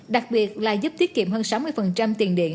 đặc biệt là giúp tiết kiệm hơn sáu mươi tiền điện